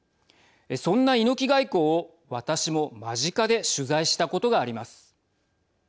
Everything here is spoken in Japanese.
そんな猪木外交を、私も間近で取材したことがあります。